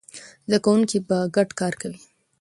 زده کوونکي به ګډ کار کوي.